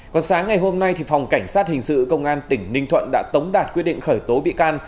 còn sáng ngày hôm nay phòng cảnh sát hình sự công an tỉnh ninh thuận đã tống đạt quyết định khởi tố bị can